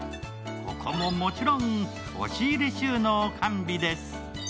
ここももちろん、押し入れ収納完備です。